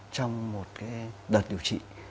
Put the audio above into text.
trong một cái đợt điều trị